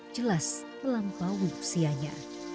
jelas melampaui usianya